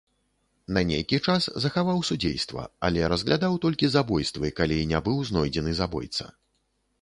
На нейкі час захаваў судзейства, але разглядаў толькі забойствы, калі не быў знойдзены забойца.